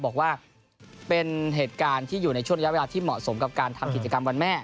บอกว่าเป็นเหตุการณ์ที่อยู่ในช่วงระยะเวลาที่เหมาะสมกับการทำกิจกรรมวันแม่